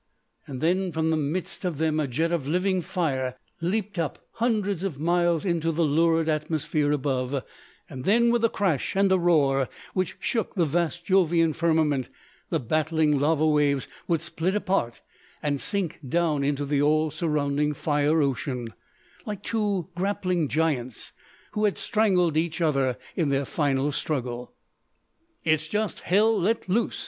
Then from the midst of them a jet of living fire leapt up hundreds of miles into the lurid atmosphere above, and then, with a crash and a roar which shook the vast Jovian firmament, the battling lava waves would split apart and sink down into the all surrounding fire ocean, like two grappling giants who had strangled each other in their final struggle. "It's just Hell let loose!"